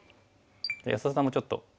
じゃあ安田さんもちょっと。